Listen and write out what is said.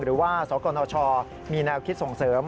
หรือว่าสกนชมีแนวคิดส่งเสริม